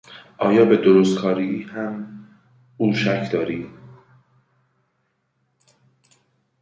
آیا به درستکاری هم او شک داری؟